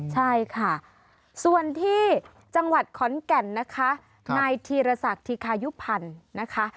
ใช่ค่ะส่วนที่จังหวัดขอนแก่นนะคะนายธีรศักดิ์ธิคายุพันธ์นะคะ